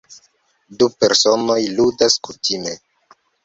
Du personoj ludas kutime.